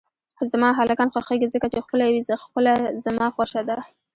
زما هلکان خوښیږی ځکه چی ښکلی وی ښکله زما خوشه ده